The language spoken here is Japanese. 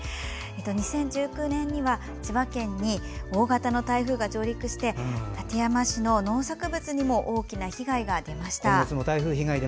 ２０１９年には千葉県に大型の台風が上陸して館山市の農作物にも大きな被害が出ました。